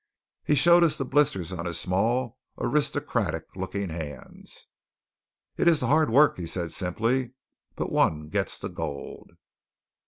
He showed us the blisters on his small aristocratic looking hands. "It is the hard work" he stated simply, "but one gets the gold."